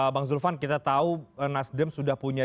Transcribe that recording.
bang zulfan kita tahu nasdem sudah punya